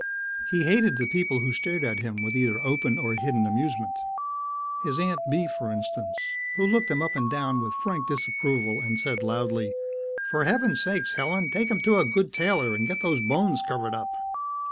He hated the people who stared at him with either open or hidden amusement. His Aunt Bee, for instance, who looked him up and down with frank disapproval and said loudly, "For Heavens sake, Helen! Take him to a good tailor and get those bones covered up!"